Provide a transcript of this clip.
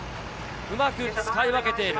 うまく使い分けている。